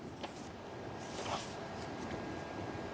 với số tiền